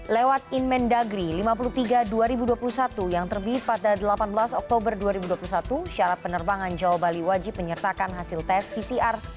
lewat inmen dagri lima puluh tiga dua ribu dua puluh satu yang terbit pada delapan belas oktober dua ribu dua puluh satu syarat penerbangan jawa bali wajib menyertakan hasil tes pcr